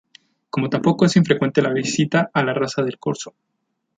Como tampoco es infrecuente la visita a la rasa del corzo.